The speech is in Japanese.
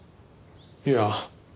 いや。